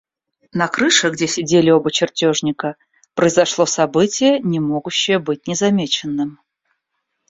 На крыше, где сидели оба чертежника, произошло событие, не могущее быть незамеченным.